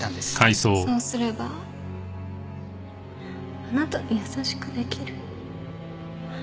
そうすればあなたに優しく出来る。